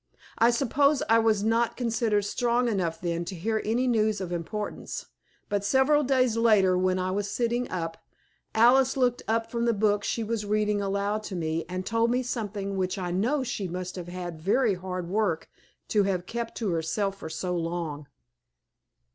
I suppose I was not considered strong enough then to hear any news of importance; but several days later, when I was sitting up, Alice looked up from the book she was reading aloud to me and told me something which I know she must have had very hard work to have kept to herself for so long.